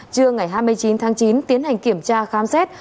trưa ngày hai mươi chín tháng chín tiến hành kiểm tra khám xét